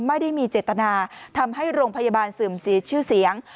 ไม่ได้มีเจตนาทำให้โรงพยาบาลเสื่อมเสียชื่อเสียง